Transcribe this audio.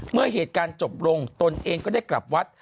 เมื่อเหตุการณ์จบลงตนเองก็ได้กลับวัด